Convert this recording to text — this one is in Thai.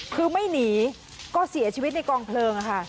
คือไม่หนีก็เสียชีวิตในกองเพลิงค่ะ